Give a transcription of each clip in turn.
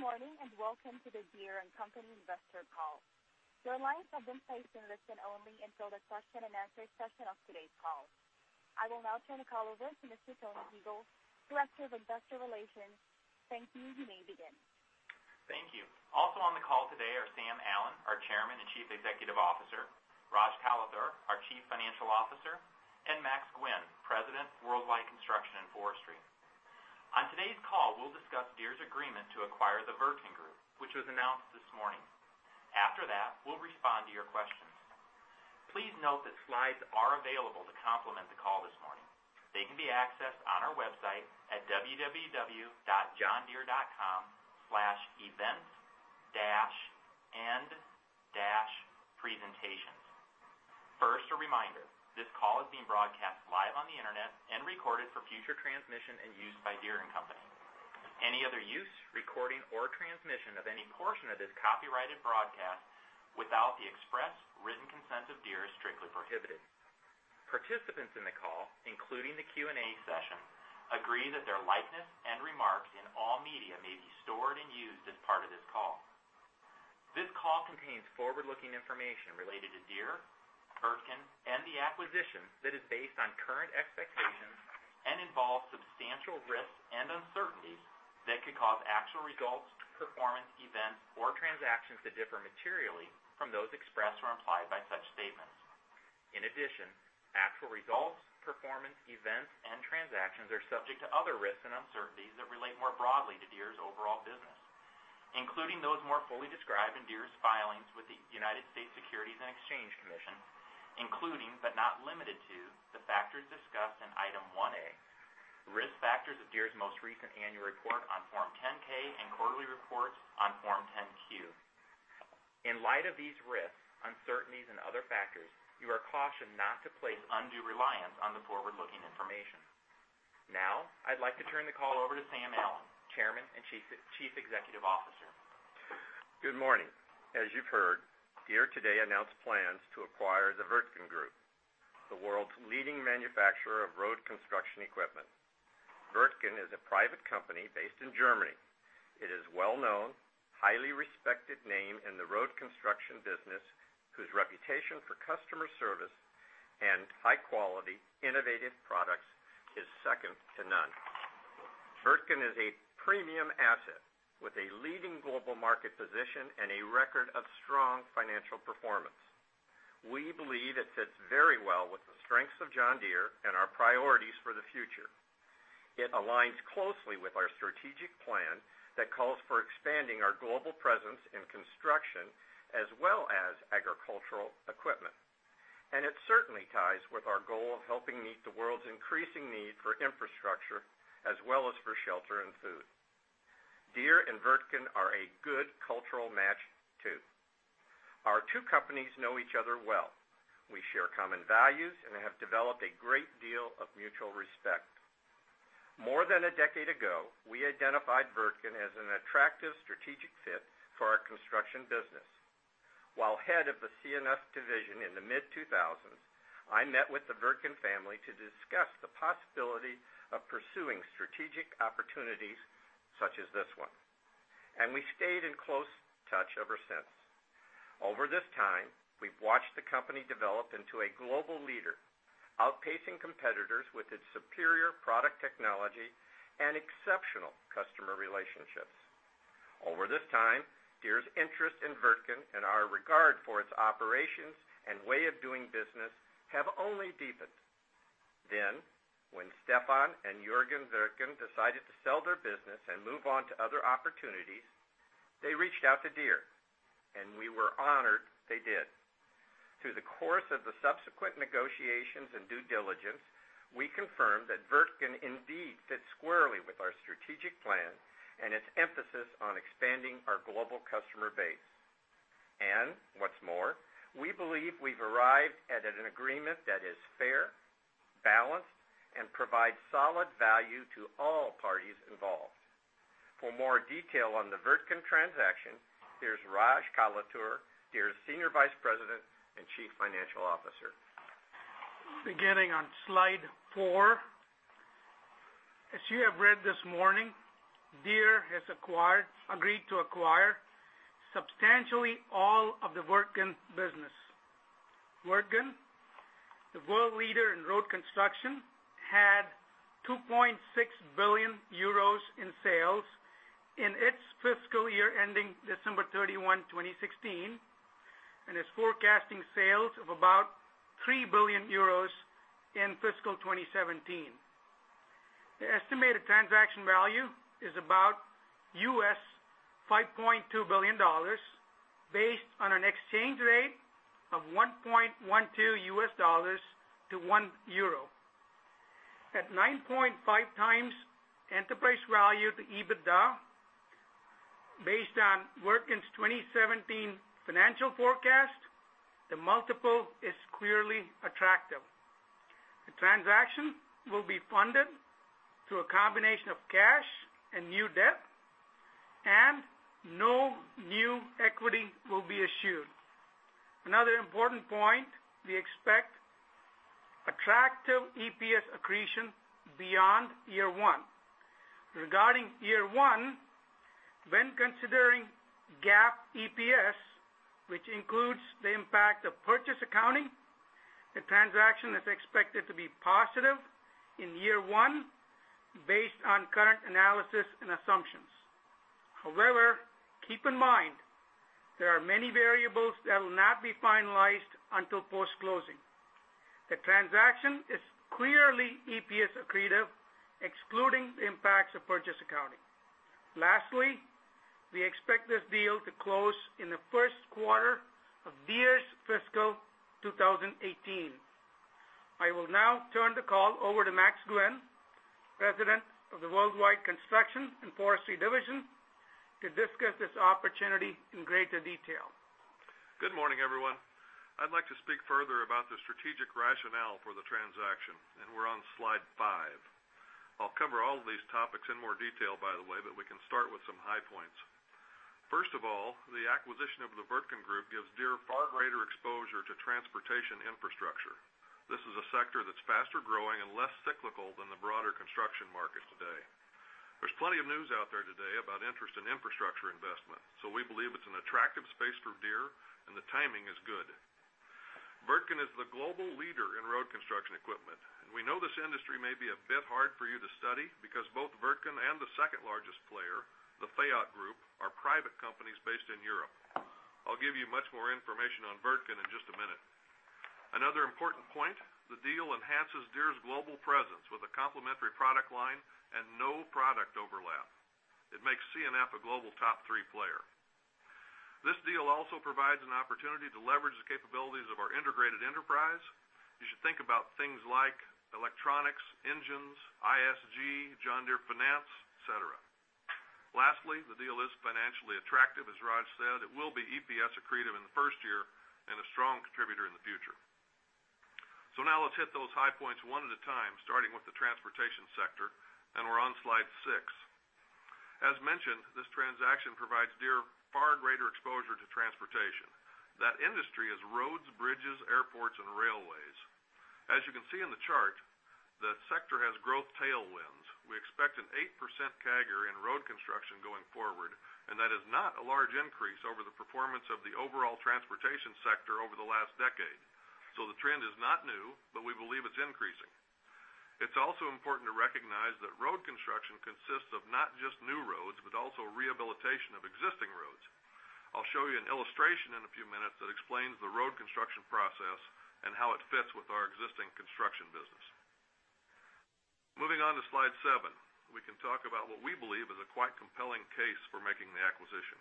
Good morning. Welcome to the Deere & Company investor call. Your lines have been placed in listen-only until the question-and-answer session of today's call. I will now turn the call over to Mr. Tony Ule, Director of Investor Relations. Thank you. You may begin. Thank you. Also on the call today are Sam Allen, our Chairman and Chief Executive Officer, Raj Kalathur, our Chief Financial Officer, and Max Guinn, President, Worldwide Construction and Forestry. On today's call, we'll discuss Deere's agreement to acquire the Wirtgen Group, which was announced this morning. After that, we'll respond to your questions. Please note that slides are available to complement the call this morning. They can be accessed on our website at www.johndeere.com/events-and-presentations. First, a reminder, this call is being broadcast live on the internet and recorded for future transmission and use by Deere & Company. Any other use, recording, or transmission of any portion of this copyrighted broadcast without the express written consent of Deere is strictly prohibited. Participants in the call, including the Q&A session, agree that their likeness and remarks in all media may be stored and used as part of this call. This call contains forward-looking information related to Deere, Wirtgen, and the acquisition that is based on current expectations and involves substantial risks and uncertainties that could cause actual results, performance, events, or transactions to differ materially from those expressed or implied by such statements. In addition, actual results, performance, events, and transactions are subject to other risks and uncertainties that relate more broadly to Deere's overall business, including those more fully described in Deere's filings with the United States Securities and Exchange Commission, including, but not limited to, the factors discussed in Item 1A, Risk Factors of Deere's most recent annual report on Form 10-K and quarterly reports on Form 10-Q. In light of these risks, uncertainties, and other factors, you are cautioned not to place undue reliance on the forward-looking information. I'd like to turn the call over to Sam Allen, Chairman and Chief Executive Officer. Good morning. As you've heard, Deere today announced plans to acquire the Wirtgen Group, the world's leading manufacturer of road construction equipment. Wirtgen is a private company based in Germany. It is well-known, highly respected name in the road construction business, whose reputation for customer service and high-quality, innovative products is second to none. Wirtgen is a premium asset with a leading global market position and a record of strong financial performance. We believe it fits very well with the strengths of John Deere and our priorities for the future. It aligns closely with our strategic plan that calls for expanding our global presence in construction as well as agricultural equipment. It certainly ties with our goal of helping meet the world's increasing need for infrastructure as well as for shelter and food. Deere and Wirtgen are a good cultural match, too. Our two companies know each other well. We share common values and have developed a great deal of mutual respect. More than a decade ago, we identified Wirtgen as an attractive strategic fit for our construction business. While head of the C&F division in the mid-2000s, I met with the Wirtgen family to discuss the possibility of pursuing strategic opportunities such as this one, and we stayed in close touch ever since. Over this time, we've watched the company develop into a global leader, outpacing competitors with its superior product technology and exceptional customer relationships. Over this time, Deere's interest in Wirtgen and our regard for its operations and way of doing business have only deepened. When Stefan and Jürgen Wirtgen decided to sell their business and move on to other opportunities, they reached out to Deere, and we were honored they did. Through the course of the subsequent negotiations and due diligence, we confirmed that Wirtgen indeed fits squarely with our strategic plan and its emphasis on expanding our global customer base. What's more, we believe we've arrived at an agreement that is fair, balanced, and provides solid value to all parties involved. For more detail on the Wirtgen transaction, here's Raj Kalathur, Deere's Senior Vice President and Chief Financial Officer. Beginning on slide four. As you have read this morning, Deere has agreed to acquire substantially all of the Wirtgen business. Wirtgen, the world leader in road construction, had 2.6 billion euros in sales in its fiscal year ending December 31, 2016, and is forecasting sales of about 3 billion euros in fiscal 2017. The estimated transaction value is about $5.2 billion, based on an exchange rate of $1.12 to 1 euro. At 9.5 times enterprise value to EBITDA, based on Wirtgen's 2017 financial forecast, the multiple is clearly attractive. The transaction will be funded through a combination of cash and new debt, and no new equity will be issued. Another important point, we expect attractive EPS accretion beyond year one. Regarding year one, when considering GAAP EPS, which includes the impact of purchase accounting, the transaction is expected to be positive in year one, based on current analysis and assumptions. Keep in mind, there are many variables that will not be finalized until post-closing. The transaction is clearly EPS accretive, excluding the impacts of purchase accounting. Lastly, we expect this deal to close in the first quarter of Deere's fiscal 2018. I will now turn the call over to Max Guinn, President of the Worldwide Construction and Forestry Division, to discuss this opportunity in greater detail. Good morning, everyone. I'd like to speak further about the strategic rationale for the transaction. We're on slide five. I'll cover all of these topics in more detail, by the way, but we can start with some high points. First of all, the acquisition of the Wirtgen Group gives Deere far greater exposure to transportation infrastructure. This is a sector that's faster growing and less cyclical than the broader construction markets today. There's plenty of news out there today about interest in infrastructure investment. We believe it's an attractive space for Deere, and the timing is good. Wirtgen is the global leader in road construction equipment. We know this industry may be a bit hard for you to study because both Wirtgen and the second-largest player, the Fayat Group, are private companies based in Europe. I'll give you much more information on Wirtgen in just a minute. Another important point, the deal enhances Deere's global presence with a complementary product line and no product overlap. It makes C&F a global top-three player. This deal also provides an opportunity to leverage the capabilities of our integrated enterprise. You should think about things like electronics, engines, ISG, John Deere Financial, et cetera. Lastly, the deal is financially attractive. As Raj said, it will be EPS accretive in the first year and a strong contributor in the future. Now let's hit those high points one at a time, starting with the transportation sector. We're on slide six. As mentioned, this transaction provides Deere far greater exposure to transportation. That industry is roads, bridges, airports, and railways. As you can see in the chart, the sector has growth tailwinds. We expect an 8% CAGR in road construction going forward. That is not a large increase over the performance of the overall transportation sector over the last decade. The trend is not new, but we believe it's increasing. It's also important to recognize that road construction consists of not just new roads, but also rehabilitation of existing roads. I'll show you an illustration in a few minutes that explains the road construction process and how it fits with our existing construction business. Moving on to slide seven, we can talk about what we believe is a quite compelling case for making the acquisition.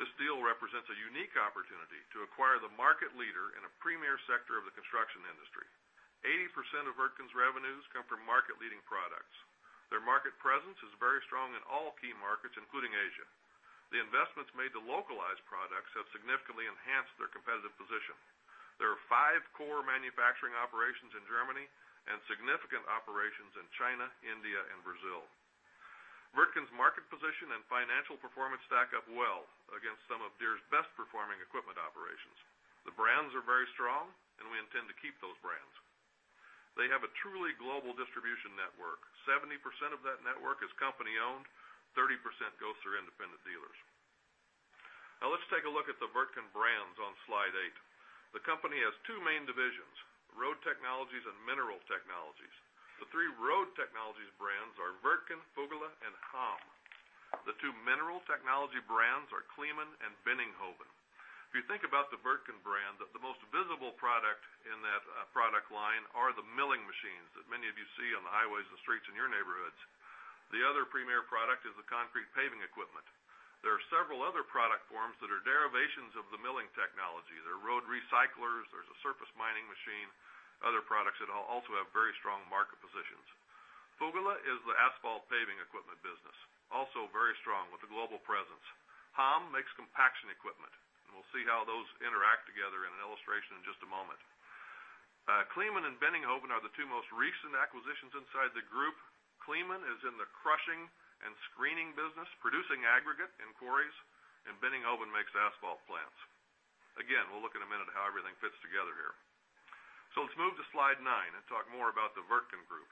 This deal represents a unique opportunity to acquire the market leader in a premier sector of the construction industry. 80% of Wirtgen's revenues come from market-leading products. Their market presence is very strong in all key markets, including Asia. The investments made to localize products have significantly enhanced their competitive position. There are five core manufacturing operations in Germany and significant operations in China, India, and Brazil. Wirtgen's market position and financial performance stack up well against some of Deere's best-performing equipment operations. The brands are very strong. We intend to keep those brands. They have a truly global distribution network. 70% of that network is company-owned, 30% goes through independent dealers. Let's take a look at the Wirtgen brands on slide eight. The company has two main divisions, road technologies and minerals technologies. The three road technologies brands are Wirtgen, VÖGELE, and HAMM. The two mineral technology brands are KLEEMANN and BENNINGHOVEN. If you think about the Wirtgen brand, the most visible product in that product line are the milling machines that many of you see on the highways and streets in your neighborhoods. The other premier product is the concrete paving equipment. There are several other product forms that are derivations of the milling technology. There are road recyclers. There's a surface mining machine, other products that also have very strong market positions. VÖGELE is the asphalt paving equipment business, also very strong with a global presence. HAMM makes compaction equipment, and we'll see how those interact together in an illustration in just a moment. KLEEMANN and BENNINGHOVEN are the two most recent acquisitions inside the group. KLEEMANN is in the crushing and screening business, producing aggregate in quarries, and BENNINGHOVEN makes asphalt plants. Again, we'll look in a minute at how everything fits together here. Let's move to slide nine and talk more about the Wirtgen Group.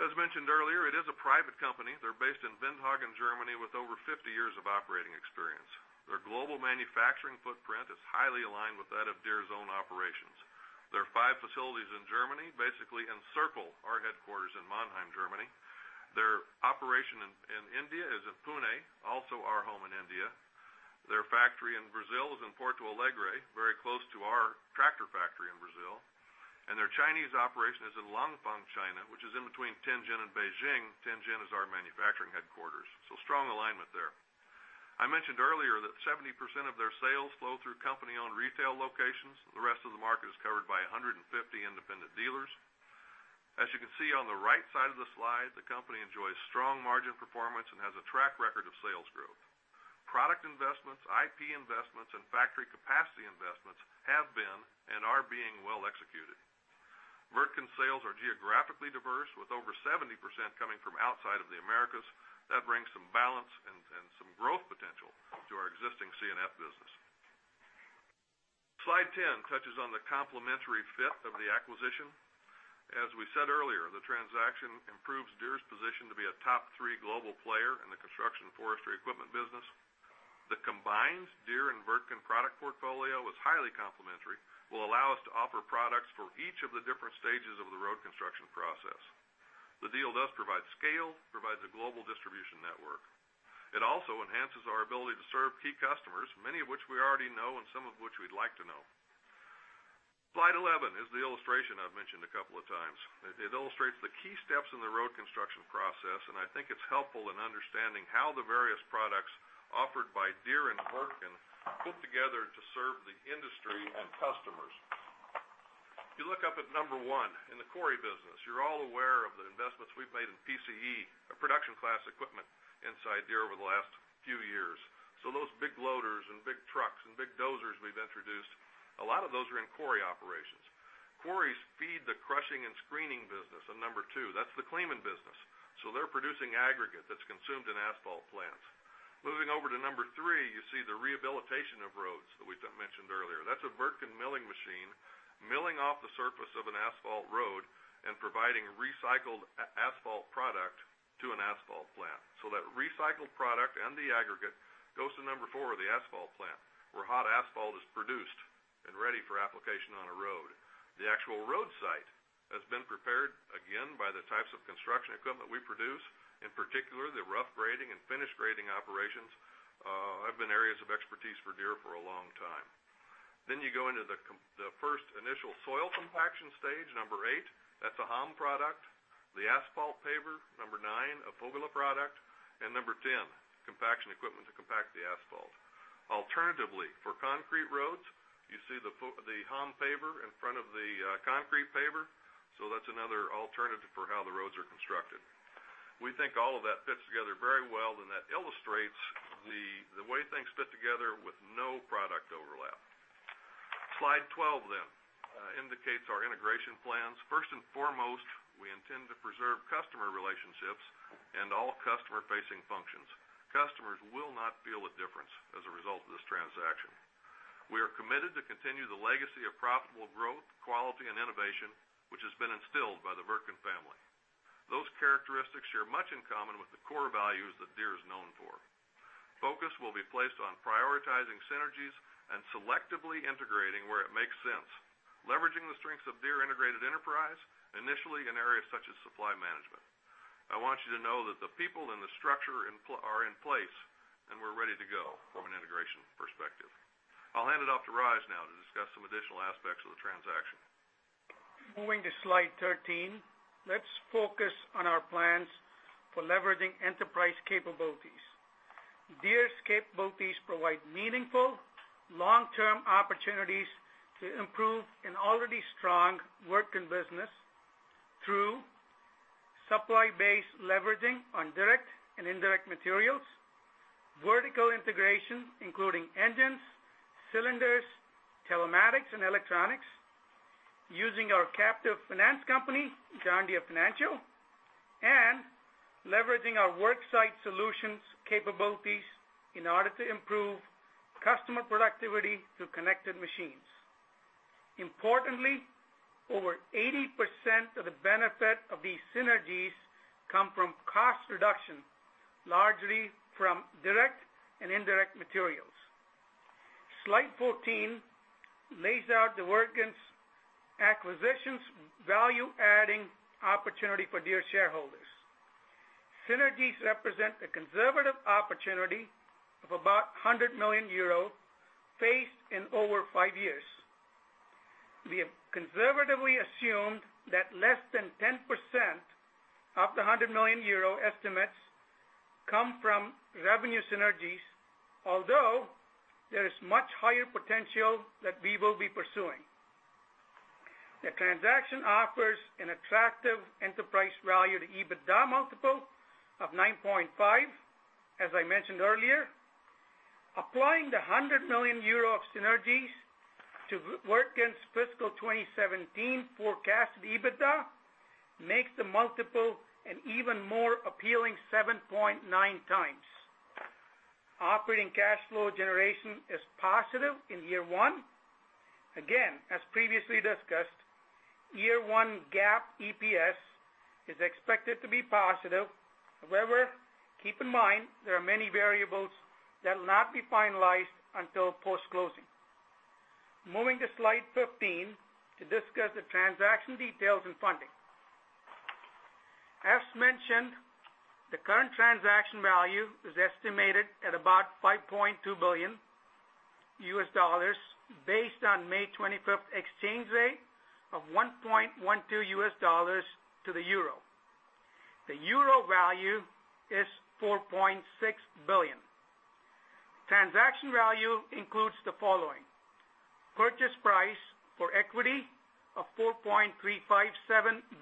As mentioned earlier, it is a private company. They're based in Windhagen, Germany, with over 50 years of operating experience. Their global manufacturing footprint is highly aligned with that of Deere's own operations. Their five facilities in Germany basically encircle our headquarters in Mannheim, Germany. Their operation in India is in Pune, also our home in India. Their factory in Brazil is in Porto Alegre, very close to our tractor factory in Brazil. Their Chinese operation is in Langfang, China, which is in between Tianjin and Beijing. Tianjin is our manufacturing headquarters. Strong alignment there. I mentioned earlier that 70% of their sales flow through company-owned retail locations. The rest of the market is covered by 150 independent dealers. As you can see on the right side of the slide, the company enjoys strong margin performance and has a track record of sales growth. Product investments, IP investments, and factory capacity investments have been and are being well executed. Wirtgen sales are geographically diverse with over 70% coming from outside of the Americas. That brings some balance and some growth potential to our existing C&F business. Slide 10 touches on the complementary fit of the acquisition. As we said earlier, the transaction improves Deere's position to be a top three global player in the construction forestry equipment business. The combined Deere and Wirtgen product portfolio is highly complementary, will allow us to offer products for each of the different stages of the road construction process. The deal does provide scale, provides a global distribution network. It also enhances our ability to serve key customers, many of which we already know, and some of which we'd like to know. Slide 11 is the illustration I've mentioned a couple of times. It illustrates the key steps in the road construction process, and I think it's helpful in understanding how the various products offered by Deere and Wirtgen fit together to serve the industry and customers. You look up at number 1 in the quarry business. You're all aware of the investments we've made in PCE, our production class equipment, inside Deere over the last few years. Those big loaders and big trucks and big dozers we've introduced, a lot of those are in quarry operations. Quarries feed the crushing and screening business at number 2. That's the KLEEMANN business. They're producing aggregate that's consumed in asphalt plants. Moving over to number 3, you see the rehabilitation of roads that we mentioned earlier. That's a Wirtgen milling machine, milling off the surface of an asphalt road and providing recycled asphalt product to an asphalt plant. That recycled product and the aggregate goes to number 4, the asphalt plant, where hot asphalt is produced and ready for application on a road. The actual road site has been prepared, again, by the types of construction equipment we produce. In particular, the rough grading and finish grading operations have been areas of expertise for Deere for a long time. You go into the first initial soil compaction stage, number 8. That's a HAMM product. The asphalt paver, number 9, a VÖGELE product, and number 10, compaction equipment to compact the asphalt. Alternatively, for concrete roads, you see the HAMM paver in front of the concrete paver. That's another alternative for how the roads are constructed. We think all of that fits together very well and that illustrates the way things fit together with no product overlap. Slide 12 indicates our integration plans. First and foremost, we intend to preserve customer relationships and all customer-facing functions. Customers will not feel a difference as a result of this transaction. We are committed to continue the legacy of profitable growth, quality, and innovation, which has been instilled by the Wirtgen family. Those characteristics share much in common with the core values that Deere is known for. Focus will be placed on prioritizing synergies and selectively integrating where it makes sense, leveraging the strengths of Deere integrated enterprise, initially in areas such as supply management. I want you to know that the people and the structure are in place, and we're ready to go from an integration perspective. I'll hand it off to Raj now to discuss some additional aspects of the transaction. Moving to slide 13, let's focus on our plans for leveraging enterprise capabilities. Deere's capabilities provide meaningful long-term opportunities to improve an already strong Wirtgen business through supply base leveraging on direct and indirect materials, vertical integration, including engines, cylinders, telematics, and electronics. Using our captive finance company, John Deere Financial, and leveraging our worksite solutions capabilities in order to improve customer productivity through connected machines. Importantly, over 80% of the benefit of these synergies come from cost reduction, largely from direct and indirect materials. Slide 14 lays out the Wirtgen's acquisitions value-adding opportunity for Deere shareholders. Synergies represent a conservative opportunity of about 100 million euro, phased in over five years. We have conservatively assumed that less than 10% of the 100 million euro estimates come from revenue synergies, although there is much higher potential that we will be pursuing. The transaction offers an attractive enterprise value to EBITDA multiple of 9.5, as I mentioned earlier. Applying the 100 million euro of synergies to Wirtgen's fiscal 2017 forecast EBITDA makes the multiple an even more appealing 7.9x. Operating cash flow generation is positive in year one. Again, as previously discussed, year one GAAP EPS is expected to be positive. However, keep in mind, there are many variables that'll not be finalized until post-closing. Moving to slide 15 to discuss the transaction details and funding. As mentioned, the current transaction value is estimated at about $5.2 billion based on May 25th exchange rate of $1.12 U.S. to the EUR. The EUR value is 4.6 billion. Transaction value includes the following. Purchase price for equity of 4.357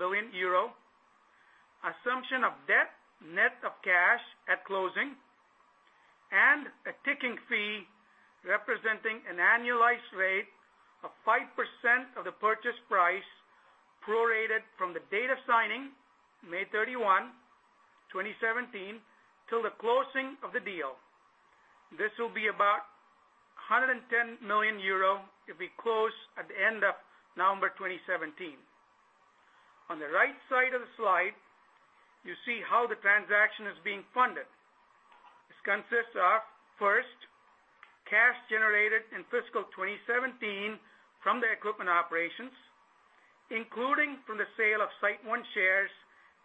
billion euro. Assumption of debt, net of cash at closing, and a ticking fee representing an annualized rate of 5% of the purchase price, prorated from the date of signing, May 31, 2017, till the closing of the deal. This will be about 110 million euro if we close at the end of November 2017. On the right side of the slide, you see how the transaction is being funded. This consists of, first, cash generated in fiscal 2017 from the equipment operations, including from the sale of SiteOne shares,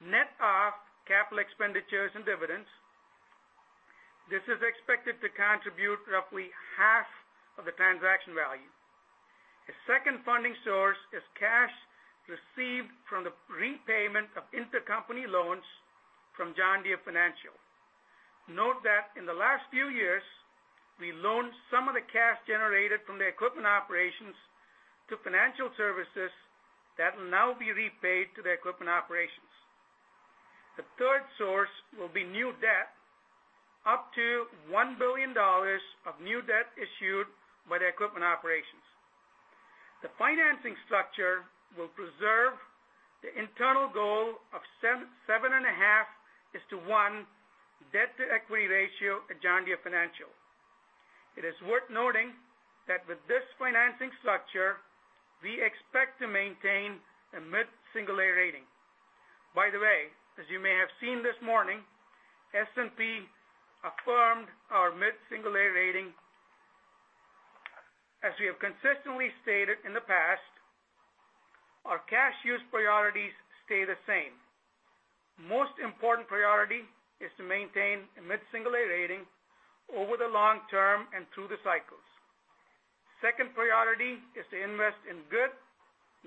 net of capital expenditures and dividends. This is expected to contribute roughly half of the transaction value. The second funding source is cash received from the repayment of intercompany loans from John Deere Financial. Note that in the last few years, we loaned some of the cash generated from the equipment operations to financial services that will now be repaid to the equipment operations. The third source will be new debt, up to $1 billion of new debt issued by the equipment operations. The financing structure will preserve the internal goal of 7.5:1 debt-to-equity ratio at John Deere Financial. It is worth noting that with this financing structure, we expect to maintain a mid-single A rating. By the way, as you may have seen this morning, S&P affirmed our mid-single A rating. As we have consistently stated in the past, our cash use priorities stay the same. Most important priority is to maintain a mid-single A rating over the long term and through the cycles. Second priority is to invest in good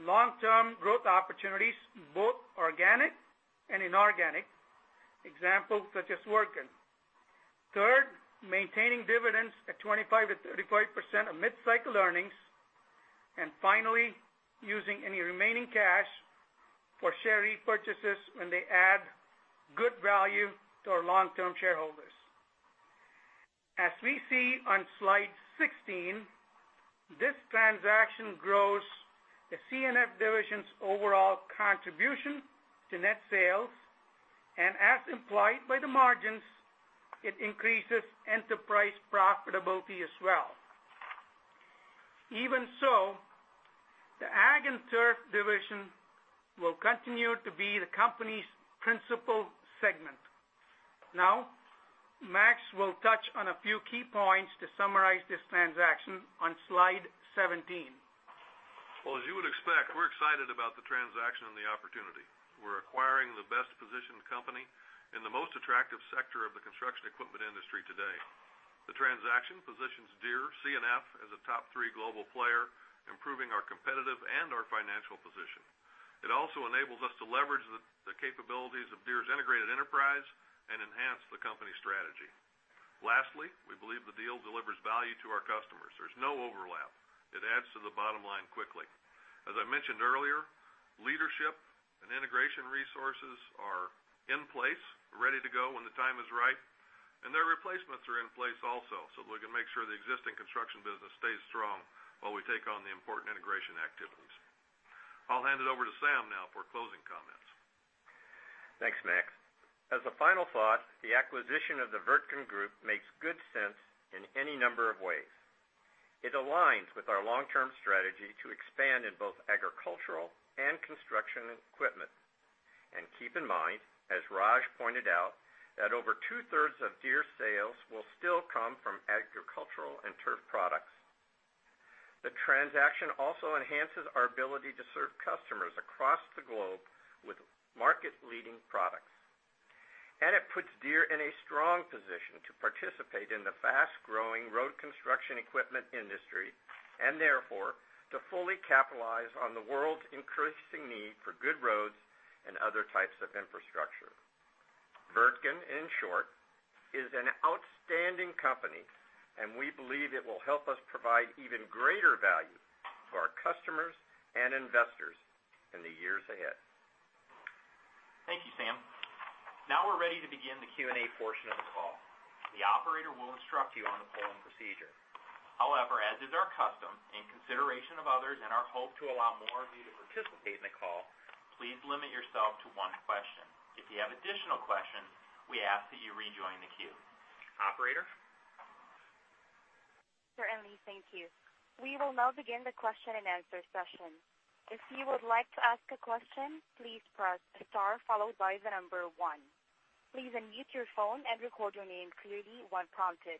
long-term growth opportunities, both organic and inorganic. Example, such as Wirtgen. Third, maintaining dividends at 25%-35% of mid-cycle earnings. Finally, using any remaining cash for share repurchases when they add good value to our long-term shareholders. As we see on slide 16, this transaction grows the C&F division's overall contribution to net sales. As implied by the margins, it increases enterprise profitability as well. Even so, the Ag and Turf division will continue to be the company's principal segment. Now, Max will touch on a few key points to summarize this transaction on slide 17. Well, as you would expect, we're excited about the transaction and the opportunity. We're acquiring the best-positioned company in the most attractive sector of the construction equipment industry today. The transaction positions Deere C&F as a top-three global player, improving our competitive and our financial position. It also enables us to leverage the capabilities of Deere's integrated enterprise and enhance the company strategy. Lastly, we believe the deal delivers value to our customers. There's no overlap. It adds to the bottom line quickly. As I mentioned earlier, leadership and integration resources are in place, ready to go when the time is right. Their replacements are in place also, so we can make sure the existing construction business stays strong while we take on the important integration activities. I'll hand it over to Sam now for closing comments. Thanks, Max. As a final thought, the acquisition of the Wirtgen Group makes good sense in any number of ways. It aligns with our long-term strategy to expand in both agricultural and construction equipment. Keep in mind, as Raj pointed out, that over two-thirds of Deere's sales will still come from agricultural and turf products. The transaction also enhances our ability to serve customers across the globe with market-leading products. It puts Deere in a strong position to participate in the fast-growing road construction equipment industry, therefore, to fully capitalize on the world's increasing need for good roads and other types of infrastructure. Wirtgen, in short, is an outstanding company, and we believe it will help us provide even greater value to our customers and investors in the years ahead. Thank you, Sam. Now we're ready to begin the Q&A portion of the call. The operator will instruct you on the polling procedure. However, as is our custom, in consideration of others and our hope to allow more of you to participate in the call, please limit yourself to one question. If you have additional questions, we ask that you rejoin the queue. Operator? Certainly. Thank you. We will now begin the question-and-answer session. If you would like to ask a question, please press star followed by the number 1. Please unmute your phone and record your name clearly when prompted.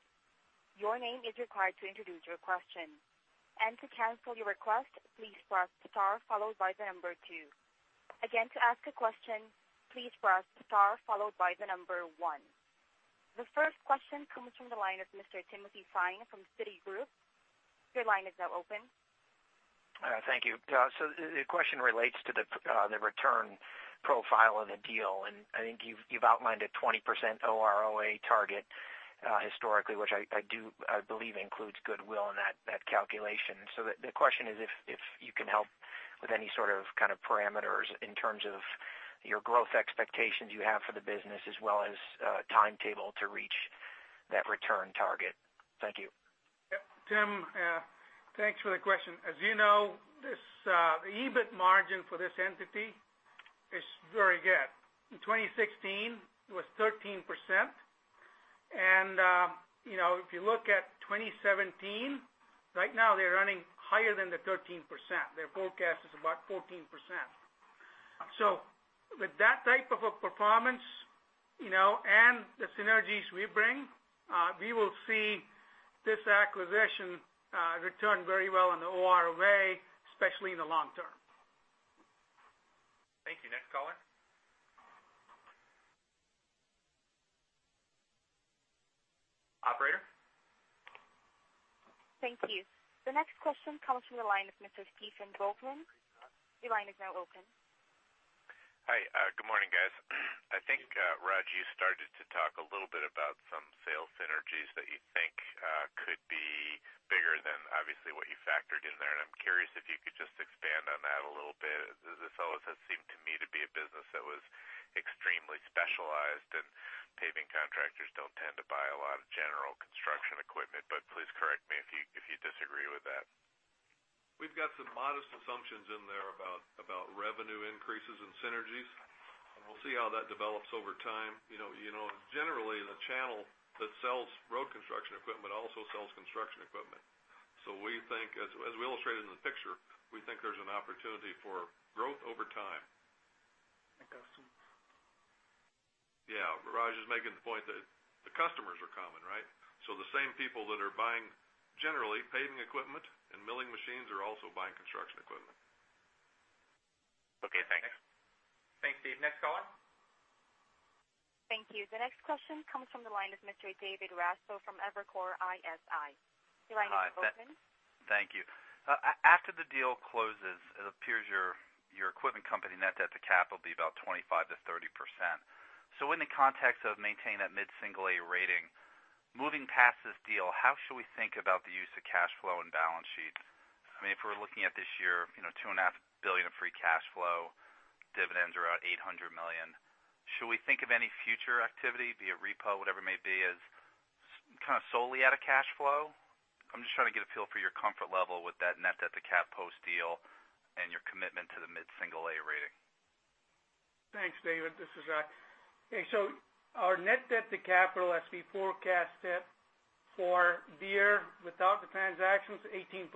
Your name is required to introduce your question. To cancel your request, please press star followed by the number 2. Again, to ask a question, please press star followed by the number 1. The first question comes from the line of Mr. Timothy Thein from Citigroup. Your line is now open. Thank you. The question relates to the return profile of the deal, I think you've outlined a 20% OROA target historically, which I believe includes goodwill in that calculation. The question is if you can help with any sort of parameters in terms of your growth expectations you have for the business as well as a timetable to reach that return target. Thank you. Yep. Tim, thanks for the question. As you know, the EBIT margin for this entity is very good. In 2016, it was 13%. If you look at 2017, right now, they're running higher than the 13%. Their forecast is about 14%. With that type of a performance, and the synergies we bring, we will see this acquisition return very well on the OROA, especially in the long term. Thank you. Next caller. Operator? Thank you. The next question comes from the line of Mr. Steve from Goldman. Your line is now open. Hi. Good morning, guys. I think, Raj, you started to talk a little bit about some sales synergies that you think could be bigger than obviously what you factored in there. I'm curious if you could just expand on that a little bit. This always has seemed to me to be a business that was extremely specialized. Paving contractors don't tend to buy a lot of general construction equipment. Please correct me if you disagree with that. We've got some modest assumptions in there about revenue increases and synergies. We'll see how that develops over time. Generally, the channel that sells road construction equipment also sells construction equipment. As we illustrated in the picture, we think there's an opportunity for growth over time. Customers. Yeah. Raj is making the point that the customers are common, right? The same people that are buying generally paving equipment and milling machines are also buying construction equipment. Okay, thanks. Thanks, Steve. Next caller? Thank you. The next question comes from the line of Mr. David Raso from Evercore ISI. Your line is open. Hi. Thank you. After the deal closes, it appears your equipment company net debt to capital will be about 25%-30%. In the context of maintaining that mid-single A rating, moving past this deal, how should we think about the use of cash flow and balance sheets? If we're looking at this year, two and a half billion of free cash flow, dividends are out $800 million. Should we think of any future activity, be it repo, whatever it may be, as kind of solely out of cash flow? I'm just trying to get a feel for your comfort level with that net debt to cap post-deal and your commitment to the mid-single A rating. Thanks, David. This is Raj. Our net debt to capital as we forecast it for Deere without the transaction is 18%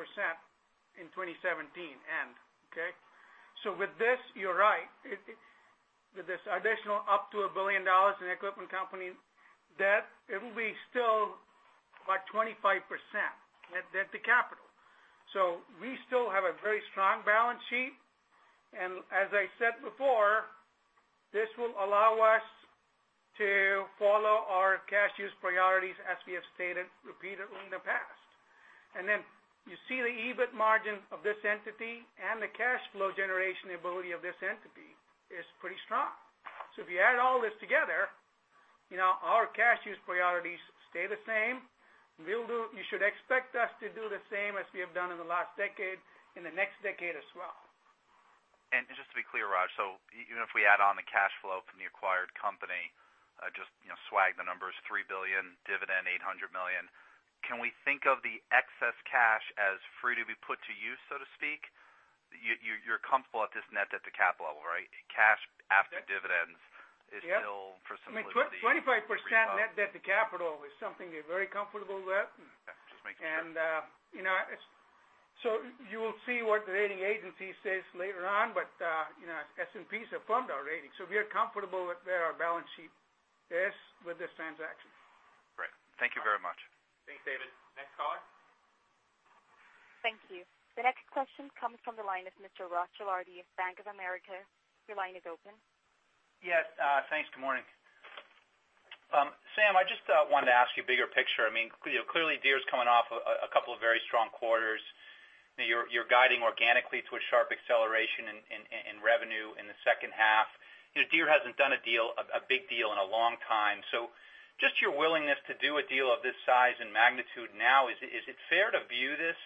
in 2017 end. With this, you're right. With this additional up to $1 billion in equipment company debt, it'll be still about 25% net debt to capital. We still have a very strong balance sheet, and as I said before, this will allow us to follow our cash use priorities as we have stated repeatedly in the past. You see the EBIT margin of this entity and the cash flow generation ability of this entity is pretty strong. If you add all this together, our cash use priorities stay the same. You should expect us to do the same as we have done in the last decade, in the next decade as well. Just to be clear, Raj, even if we add on the cash flow from the acquired company, just swag the numbers, $3 billion, dividend $800 million, can we think of the excess cash as free to be put to use, so to speak? You're comfortable at this net debt to capital level, right? Cash after dividends is still- Yes for simplicity. I mean, 25% net debt to capital is something we're very comfortable with. Okay. Just making sure. You will see what the rating agency says later on, but S&P's affirmed our rating, so we are comfortable with where our balance sheet is with this transaction. Great. Thank you very much. Thanks, David. Next caller? Thank you. The next question comes from the line of Mr. Ross Gilardi of Bank of America. Your line is open. Yes. Thanks. Good morning. Sam, I just wanted to ask you bigger picture. Clearly, Deere's coming off a couple of very strong quarters. You're guiding organically to a sharp acceleration in revenue in the second half. Deere hasn't done a big deal in a long time. Just your willingness to do a deal of this size and magnitude now, is it fair to view this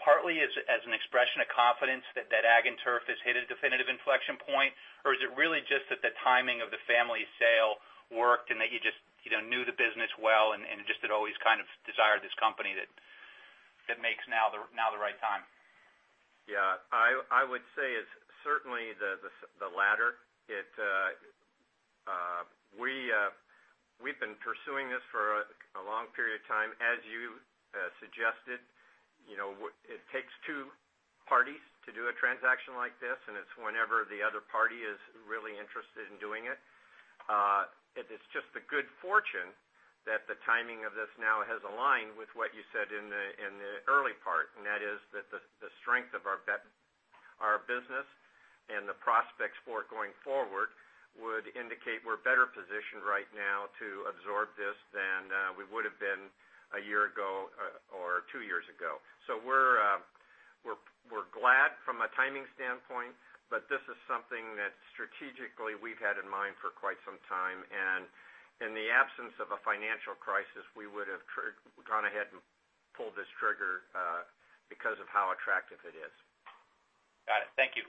partly as an expression of confidence that Agriculture and Turf has hit a definitive inflection point? Or is it really just that the timing of the family sale worked and that you just knew the business well and just had always kind of desired this company that makes now the right time? Yeah. I would say it's certainly the latter. We've been pursuing this for a long period of time, as you suggested. It takes two parties to do a transaction like this, and it's whenever the other party is really interested in doing it. It's just the good fortune that the timing of this now has aligned with what you said in the early part, and that is that the strength of our business and the prospects for it going forward would indicate we're better positioned right now to absorb this than we would've been a year ago or two years ago. We're glad from a timing standpoint, but this is something that strategically we've had in mind for quite some time, and in the absence of a financial crisis, we would've gone ahead and pulled this trigger, because of how attractive it is. Got it. Thank you.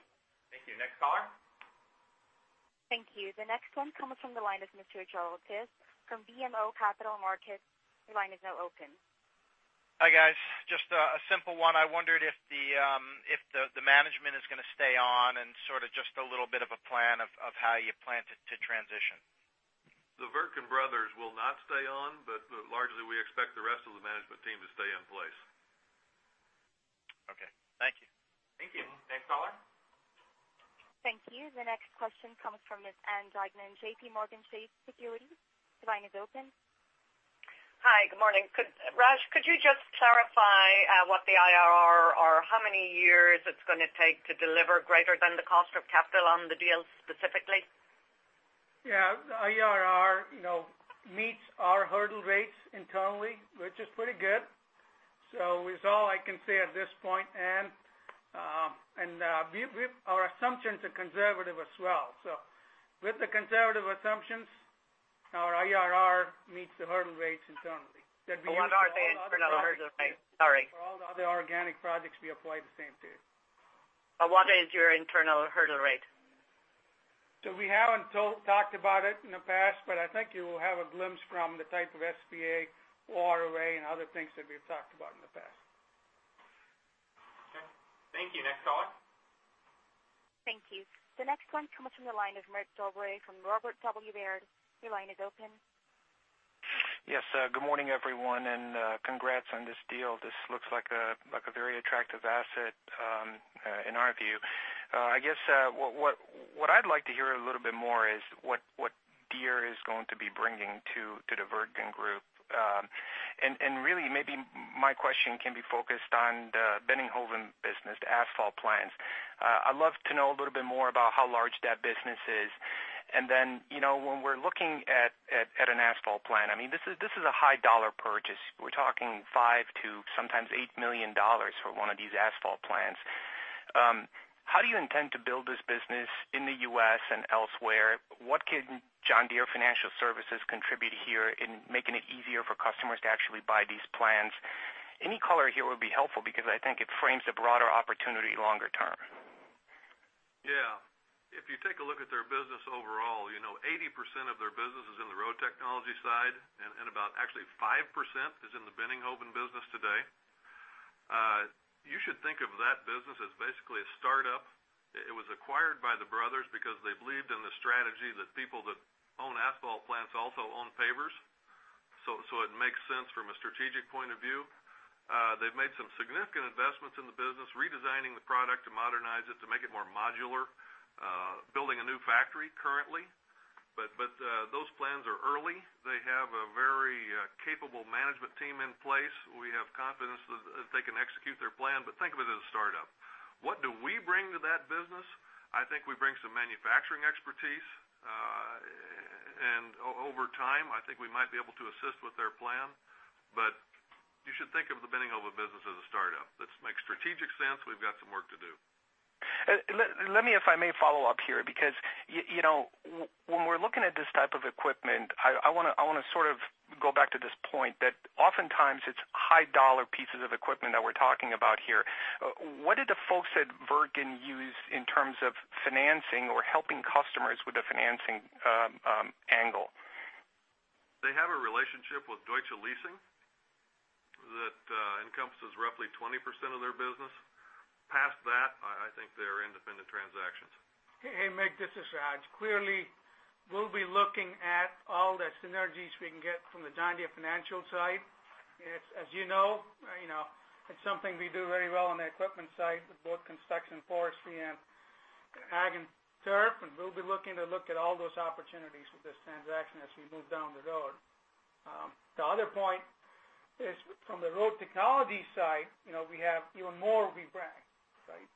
Thank you. Next caller? Thank you. The next one comes from the line of Mr. Joe Ortiz from BMO Capital Markets. Your line is now open. Hi, guys. Just a simple one. I wondered if the management is going to stay on and sort of just a little bit of a plan of how you plan to transition. The Wirtgen brothers will not stay on, but largely we expect the rest of the management team to stay in place. Okay. Thank you. Thank you. Next caller? Thank you. The next question comes from Ms. Ann Duignan, J.P. Morgan Securities. Your line is open. Hi. Good morning. Raj, could you just clarify what the IRR or how many years it's going to take to deliver greater than the cost of capital on the deal specifically? Yeah. IRR meets our hurdle rates internally, which is pretty good. It's all I can say at this point, Ann. Our assumptions are conservative as well. With the conservative assumptions, our IRR meets the hurdle rates internally. What are they, internal hurdle rates? Sorry. For all the other organic projects, we apply the same too. What is your internal hurdle rate? We haven't talked about it in the past, but I think you will have a glimpse from the type of SVA or OROA and other things that we've talked about in the past. Okay. Thank you. Next caller? Thank you. The next one comes from the line of Mircea Dobre from Robert W. Baird. Your line is open. Good morning, everyone, and congrats on this deal. This looks like a very attractive asset in our view. I guess what I'd like to hear a little bit more is what Deere is going to be bringing to the Wirtgen Group. Really maybe my question can be focused on the BENNINGHOVEN business, the asphalt plants. I'd love to know a little bit more about how large that business is. Then, when we're looking at an asphalt plant, this is a high dollar purchase. We're talking $5 million to sometimes $8 million for one of these asphalt plants. How do you intend to build this business in the U.S. and elsewhere? What can John Deere Financial services contribute here in making it easier for customers to actually buy these plants? Any color here would be helpful because I think it frames the broader opportunity longer term. Yeah. If you take a look at their business overall, 80% of their business is in the road technology side and about actually 5% is in the BENNINGHOVEN business today. You should think of that business as basically a startup. It was acquired by the brothers because they believed in the strategy that people that own asphalt plants also own pavers. It makes sense from a strategic point of view. They've made some significant investments in the business, redesigning the product to modernize it, to make it more modular, building a new factory currently. Those plans are early. They have a very capable management team in place. We have confidence that they can execute their plan, but think of it as a startup. What do we bring to that business? I think we bring some manufacturing expertise. Over time, I think we might be able to assist with their plan. You should think of the BENNINGHOVEN business as a startup. This makes strategic sense. We've got some work to do. Let me, if I may follow up here, because when we're looking at this type of equipment, I want to sort of go back to this point that oftentimes it's high-dollar pieces of equipment that we're talking about here. What did the folks at Wirtgen use in terms of financing or helping customers with the financing angle? They have a relationship with Deutsche Leasing that encompasses roughly 20% of their business. Past that, I think they are independent transactions. Hey, Mick, this is Raj. Clearly, we'll be looking at all the synergies we can get from the John Deere Financial side. As you know, it's something we do very well on the equipment side with both construction, forestry, and ag and turf, and we'll be looking to look at all those opportunities with this transaction as we move down the road. The other point is from the road technology side, we have even more brands, right?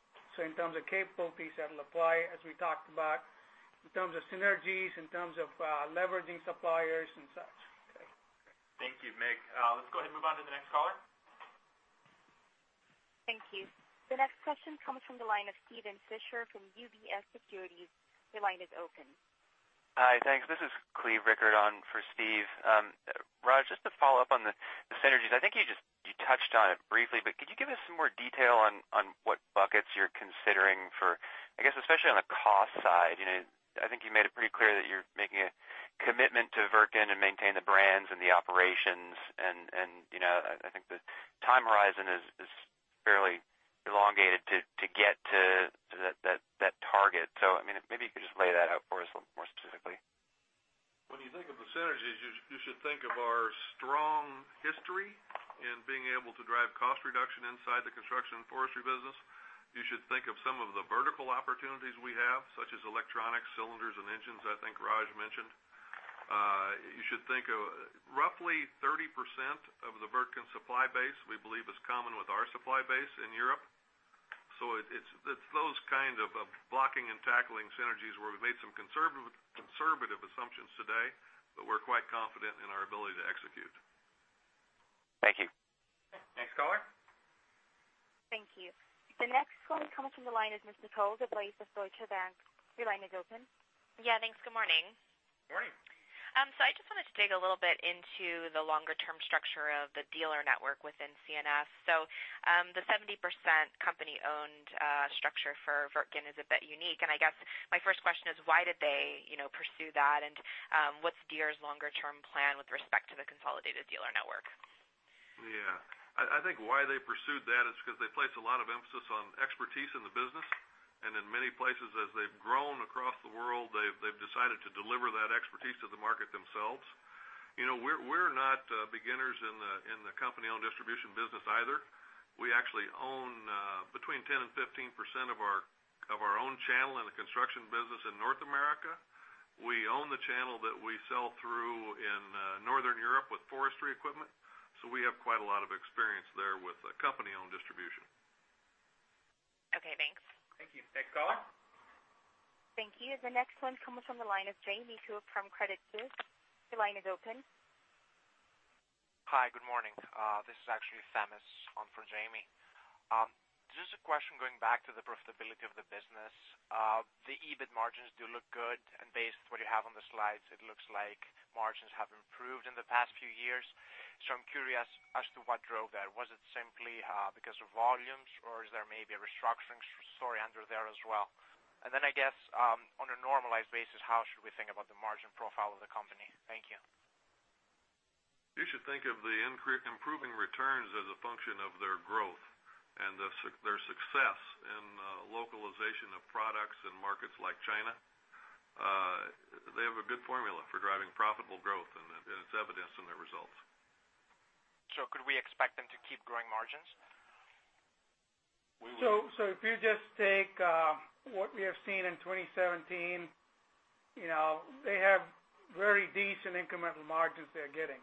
In terms of capabilities, that'll apply as we talked about in terms of synergies, in terms of leveraging suppliers and such. Thank you, Mick. Let's go ahead and move on to the next caller. Thank you. The next question comes from the line of Steven Fisher from UBS Securities. Your line is open. Hi, thanks. This is Cleve Rickard on for Steve. Raj, just to follow up on the synergies, I think you touched on it briefly, but could you give us some more detail on what buckets you're considering for, I guess, especially on the cost side. I think you made it pretty clear that you're making a commitment to Wirtgen and maintain the brands and the operations, and I think the time horizon is fairly elongated to get to that target. Maybe you could just lay that out for us a little more specifically. When you think of the synergies, you should think of our strong history in being able to drive cost reduction inside the construction forestry business. You should think of some of the vertical opportunities we have, such as electronics, cylinders, and engines, I think Raj mentioned. You should think of roughly 30% of the Wirtgen supply base we believe is common with our supply base in Europe. It's those kind of blocking and tackling synergies where we've made some conservative assumptions today, but we're quite confident in our ability to execute. Thank you. Next caller? Thank you. The next one coming from the line is Ms. Nicole DeBlase of Deutsche Bank. Your line is open. Yeah. Thanks. Good morning. Morning. I just wanted to dig a little bit into the longer-term structure of the dealer network within C&F. The 70% company-owned structure for Wirtgen is a bit unique, and I guess my first question is why did they pursue that and what's Deere's longer-term plan with respect to the consolidated dealer network? Yeah. I think why they pursued that is because they place a lot of emphasis on expertise in the business. In many places, as they've grown across the world, they've decided to deliver that expertise to the market themselves. We're not beginners in the company-owned distribution business either. We actually own between 10% and 15% of our own channel in the construction business in North America. We own the channel that we sell through in Northern Europe with forestry equipment. We have quite a lot of experience there with company-owned distribution. Okay, thanks. Thank you. Next caller? Thank you. The next one comes from the line of Jamie Cook from Credit Suisse. Your line is open. Hi, good morning. This is actually Femis on for Jamie. Just a question going back to the profitability of the business. The EBIT margins do look good and based on what you have on the slides, it looks like margins have improved in the past few years. I'm curious as to what drove that. Was it simply because of volumes, or is there maybe a restructuring story under there as well? Then I guess, on a normalized basis, how should we think about the margin profile of the company? Thank you. You should think of the improving returns as a function of their growth and their success in localization of products in markets like China. They have a good formula for driving profitable growth, and it's evidenced in their results. Could we expect them to keep growing margins? We would. If you just take what we have seen in 2017, they have very decent incremental margins they're getting.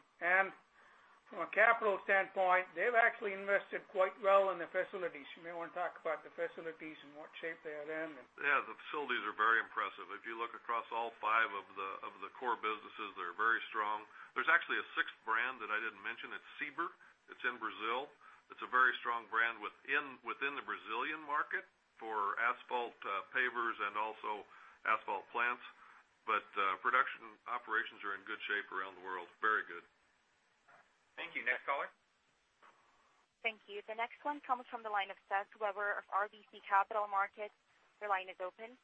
From a capital standpoint, they've actually invested quite well in the facilities. You may want to talk about the facilities and what shape they are in. The facilities are very impressive. If you look across all 5 of the core businesses, they're very strong. There's actually a sixth brand that I didn't mention. It's Ciber. It's in Brazil. It's a very strong brand within the Brazilian market for asphalt pavers and also asphalt plants. Production operations are in good shape around the world. Very good. Thank you. Next caller? Thank you. The next one comes from the line of Seth Weber of RBC Capital Markets. Your line is open.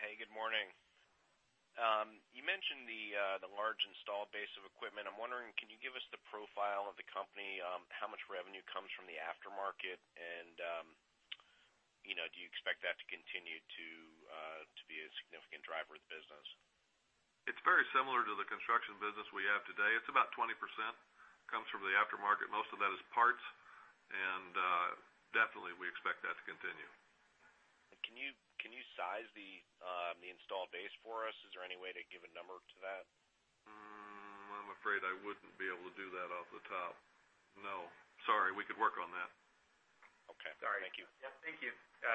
Hey, good morning. You mentioned the large installed base of equipment. I'm wondering, can you give us the profile of the company? How much revenue comes from the aftermarket, and do you expect that to continue to be a significant driver of the business? It's very similar to the construction business we have today. It's about 20% comes from the aftermarket. Most of that is parts, and definitely, we expect that to continue. Can you size the installed base for us? Is there any way to give a number to that? I'm afraid I wouldn't be able to do that off the top. No. Sorry, we could work on that. Okay. Thank you. Sorry. Yeah, thank you.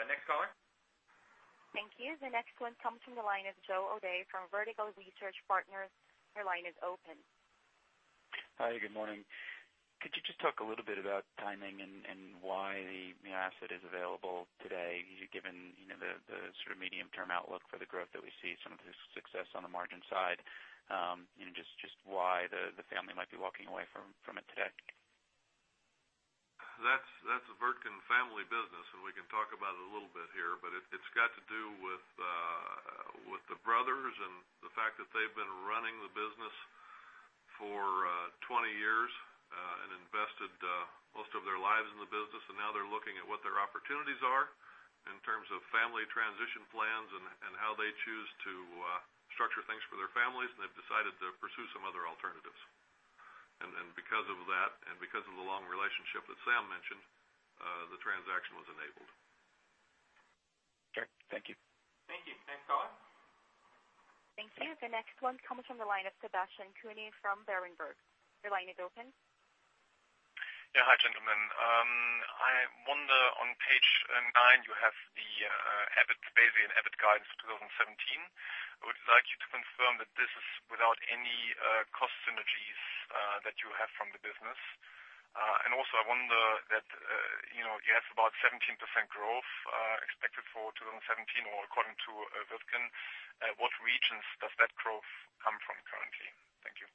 Next caller? Thank you. The next one comes from the line of Joe O'Dea from Vertical Research Partners. Your line is open. Hi, good morning. Could you just talk a little bit about timing and why the asset is available today, given the sort of medium-term outlook for the growth that we see, some of the success on the margin side? Just why the family might be walking away from it today? That's a Wirtgen family business, and we can talk about it a little bit here, but it's got to do with the brothers and the fact that they've been running the business for 20 years and invested most of their lives in the business, and now they're looking at what their opportunities are in terms of family transition plans and how they choose to structure things for their families, and they've decided to pursue some other alternatives. Because of that, and because of the long relationship that Sam mentioned, the transaction was enabled. Okay. Thank you. Thank you. Next caller? Thank you. The next one comes from the line of Sebastian Kuenne from Berenberg. Your line is open. Hi, gentlemen. I wonder on page nine, you have the EBIT, basically an EBIT guide for 2017. I would like you to confirm that this is without any cost synergies that you have from the business. Also, I wonder that you have about 17% growth expected for 2017 or according to Wirtgen. What regions does that growth come from currently? Thank you.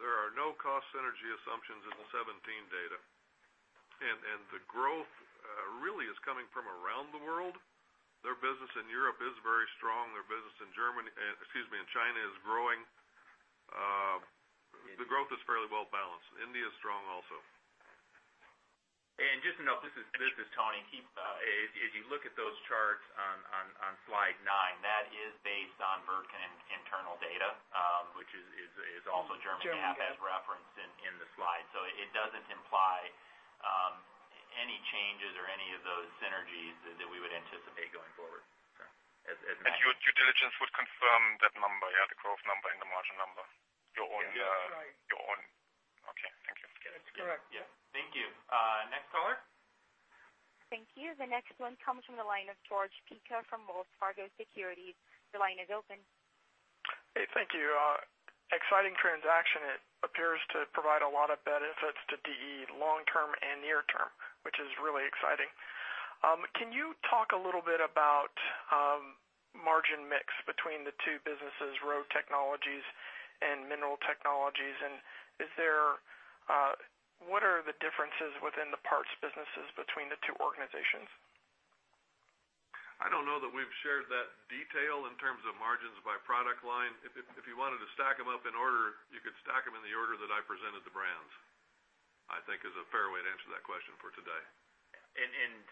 There are no cost synergy assumptions in the 2017 data. The growth really is coming from around the world. Their business in Europe is very strong. Their business in China is growing. The growth is fairly well balanced. India is strong also. Just to note, this is Tony. If you look at those charts on slide nine, that is based on Wirtgen internal data, which is also German- German, yes. GAAP as referenced in the slide. It doesn't imply any changes or any of those synergies that we would anticipate going forward. Okay. As mentioned. Due diligence would confirm that number, yeah? The growth number and the margin number. Your own. That's right. Your own. Okay. Thank you. That's correct. Yeah. Thank you. Next caller? Thank you. The next one comes from the line of Jorge Pica from Wells Fargo Securities. Your line is open. Hey, thank you. Exciting transaction. It appears to provide a lot of benefits to DE long term and near term, which is really exciting. Can you talk a little bit about margin mix between the two businesses, Road Technologies and Mineral Technologies? What are the differences within the parts businesses between the two organizations? I don't know that we've shared that detail in terms of margins by product line. If you wanted to stack them up in order, you could stack them in the order that I presented the brands, I think is a fair way to answer that question for today.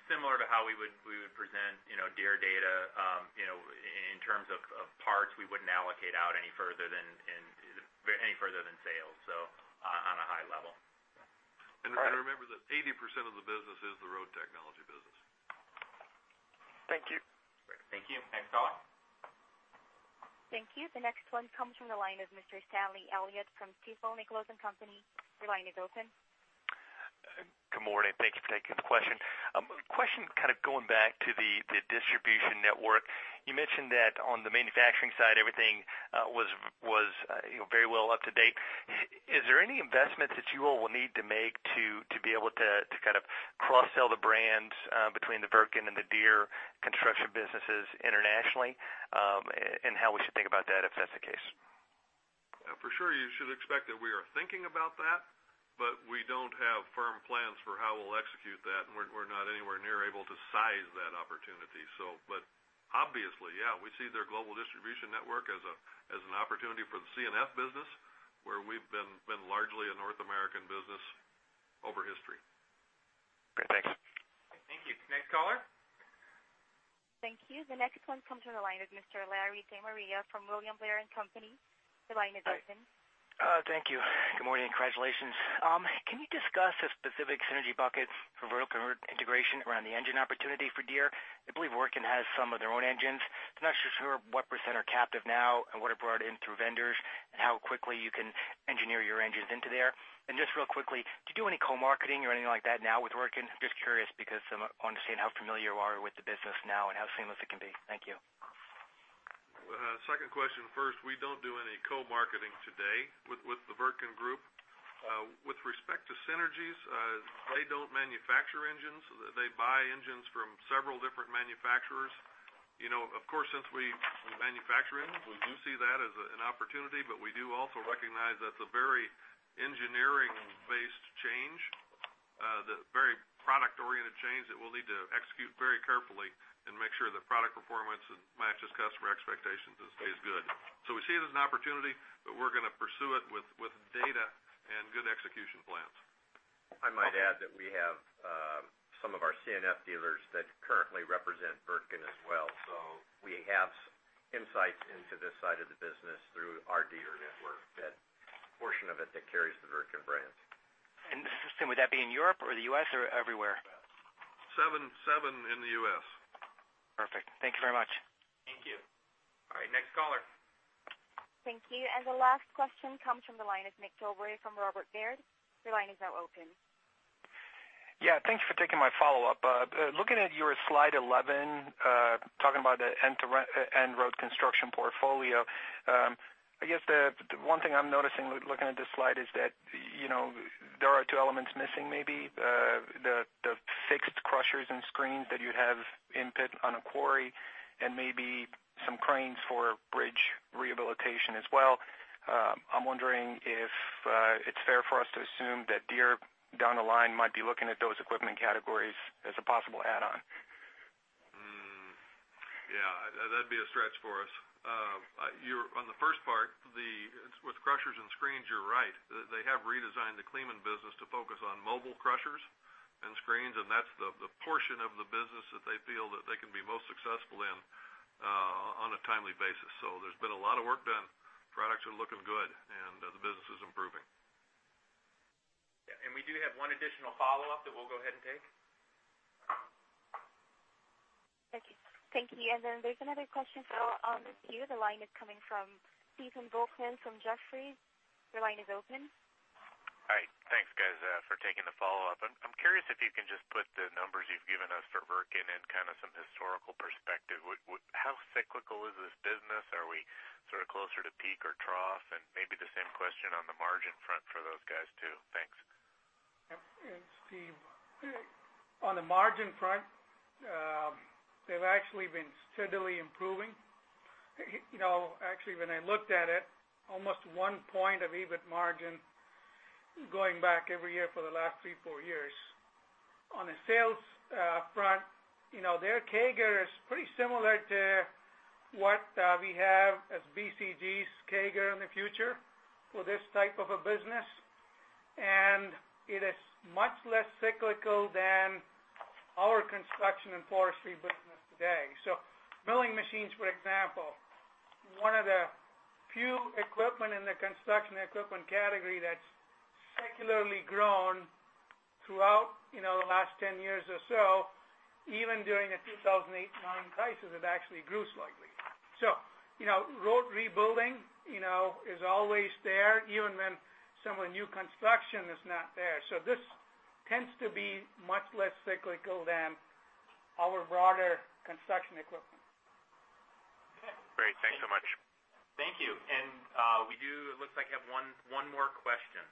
Similar to how we would present Deere data, in terms of parts, we wouldn't allocate out any further than sales, so on a high level. All right. Remember that 80% of the business is the Road Technology business. Thank you. Great. Thank you. Next caller. Thank you. The next one comes from the line of Mr. Stanley Elliott from Stifel Nicolaus & Company. Your line is open. Good morning. Thank you for taking the question. Question going back to the distribution network. You mentioned that on the manufacturing side, everything was very well up to date. Is there any investments that you all will need to make to be able to cross-sell the brands between the Wirtgen and the Deere construction businesses internationally? How we should think about that if that's the case. For sure, you should expect that we are thinking about that, we don't have firm plans for how we'll execute that, and we're not anywhere near able to size that opportunity. Obviously, yeah, we see their global distribution network as an opportunity for the C&F business, where we've been largely a North American business over history. Great. Thanks. Thank you. Next caller. Thank you. The next one comes from the line of Mr. Larry De Maria from William Blair & Company. Your line is open. Thank you. Good morning, and congratulations. Can you discuss the specific synergy buckets for vertical integration around the engine opportunity for Deere? I believe Wirtgen has some of their own engines. I'm not sure what % are captive now and what are brought in through vendors, and how quickly you can engineer your engines into there. Just real quickly, do you do any co-marketing or anything like that now with Wirtgen? Just curious because I want to see how familiar you are with the business now and how seamless it can be. Thank you. Second question first. We don't do any co-marketing today with the Wirtgen Group. With respect to synergies, they don't manufacture engines. They buy engines from several different manufacturers. Since we manufacture engines, we do see that as an opportunity, but we do also recognize that's a very engineering-based change, a very product-oriented change that we'll need to execute very carefully and make sure the product performance matches customer expectations and stays good. We see it as an opportunity, but we're going to pursue it with data and good execution plans. I might add that we have some of our C&F dealers that currently represent Wirtgen as well. We have insights into this side of the business through our Deere network, that portion of it that carries the Wirtgen brand. Tony, would that be in Europe or the U.S. or everywhere? Seven in the U.S. Perfect. Thank you very much. Thank you. All right, next caller. Thank you. The last question comes from the line of Mircea Dobre from Robert W. Baird. Your line is now open. Thanks for taking my follow-up. Looking at your slide 11, talking about the end road construction portfolio. I guess the one thing I'm noticing looking at this slide is that there are two elements missing, maybe. The fixed crushers and screens that you have in pit on a quarry and maybe some cranes for bridge rehabilitation as well. I'm wondering if it's fair for us to assume that Deere, down the line, might be looking at those equipment categories as a possible add-on. That'd be a stretch for us. On the first part, with crushers and screens, you're right. They have redesigned the Kleemann business to focus on mobile crushers and screens, and that's the portion of the business that they feel that they can be most successful in on a timely basis. There's been a lot of work done. Products are looking good, and the business is improving. We do have one additional follow-up that we'll go ahead and take. Thank you. Then there's another question for RajeshThe line is coming from Stephen Volkmann from Jefferies. Your line is open. Hi. Thanks, guys, for taking the follow-up. I'm curious if you can just put the numbers you've given us for Wirtgen in some historical perspective. How cyclical is this business? Are we closer to peak or trough? Maybe the same question on the margin front for those guys, too. Thanks. Yeah. Steve, on the margin front, they've actually been steadily improving. Actually, when I looked at it, almost one point of EBIT margin going back every year for the last three, four years. On the sales front, their CAGR is pretty similar to what we have as BCG's CAGR in the future for this type of a business. It is much less cyclical than our Construction & Forestry business today. Milling machines, for example, one of the few equipment in the construction equipment category that's secularly grown throughout the last 10 years or so. Even during the 2008-2009 crisis, it actually grew slightly. Road rebuilding is always there, even when some of the new construction is not there. This tends to be much less cyclical than our broader construction equipment. Great. Thanks so much. Thank you. We do look like we have one more question.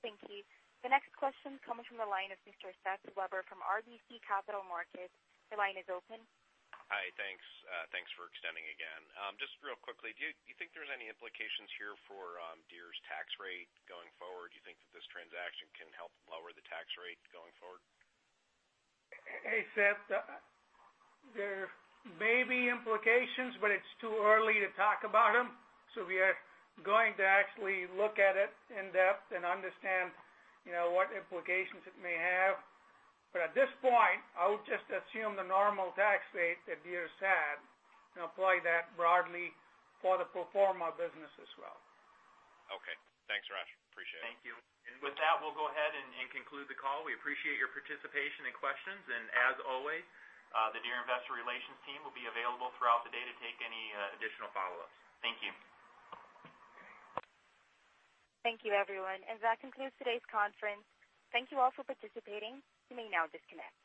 Thank you. The next question comes from the line of Mr. Seth Weber from RBC Capital Markets. Your line is open. Hi, thanks. Thanks for extending again. Just real quickly, do you think there's any implications here for Deere's tax rate going forward? Do you think that this transaction can help lower the tax rate going forward? Hey, Seth. There may be implications, it's too early to talk about them. We are going to actually look at it in depth and understand what implications it may have. At this point, I would just assume the normal tax rate that Deere's had and apply that broadly for the pro forma business as well. Okay. Thanks, Raj. Appreciate it. Thank you. With that, we'll go ahead and conclude the call. We appreciate your participation and questions. As always, the Deere Investor Relations team will be available throughout the day to take any additional follow-ups. Thank you. Thank you, everyone. That concludes today's conference. Thank you all for participating. You may now disconnect.